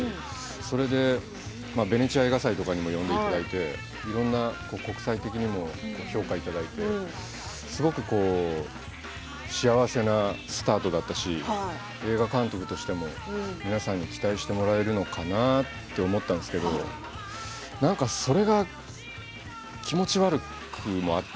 それでベネチア映画祭とかにも呼んでいただいて、いろんな国際的にも評価いただいてすごく幸せなスタートだったし映画監督としても皆さんに期待してもらえるのかなって思ったんですけど、なんかそれが気持ち悪くもあって。